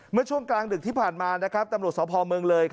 เมื่อช่วงกลางดึกที่ผ่านมาตำรวจสพเมืองเลย